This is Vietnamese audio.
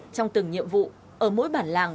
trong từng nhiệm vụ ở mỗi bản làng